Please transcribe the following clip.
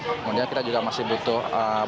kemudian kita juga masih butuh